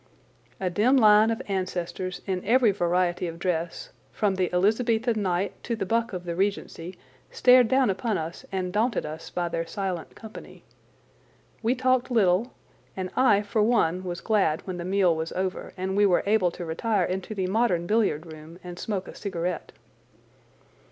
A dim line of ancestors, in every variety of dress, from the Elizabethan knight to the buck of the Regency, stared down upon us and daunted us by their silent company. We talked little, and I for one was glad when the meal was over and we were able to retire into the modern billiard room and smoke a cigarette.